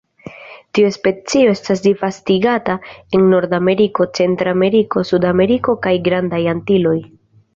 Tiu specio estas disvastigata en Nordameriko, Centrameriko, Sudameriko kaj Grandaj Antiloj.